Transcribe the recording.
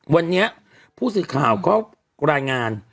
วันนี้ผู้สิทธิ์ข่าวเขาก็รายงาน